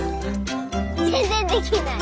全然できない。